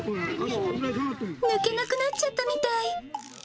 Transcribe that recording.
抜けなくなっちゃったみたい。